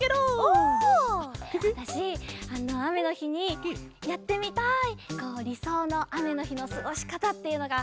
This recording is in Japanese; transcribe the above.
わたしあめのひにやってみたいりそうのあめのひのすごしかたっていうのがふたつあって。